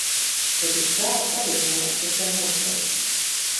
Bet uz krēsla arī nevar, tas jau nokrauts.